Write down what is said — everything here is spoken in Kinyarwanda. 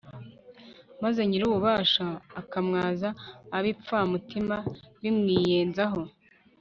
maze nyir'ububasha akamwaza ibipfamutima bimwiyenzaho